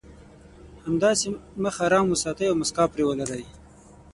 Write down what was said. همداسې مخ ارام وساتئ او مسکا پرې ولرئ.